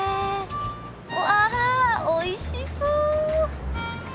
うわおいしそう！